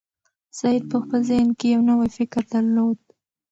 سعید په خپل ذهن کې یو نوی فکر درلود.